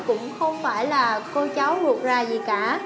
cũng không phải là cô cháu ruột già gì cả